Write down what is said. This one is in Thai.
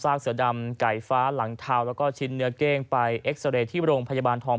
เสือดำไก่ฟ้าหลังเทาแล้วก็ชิ้นเนื้อเก้งไปเอ็กซาเรย์ที่โรงพยาบาลทอง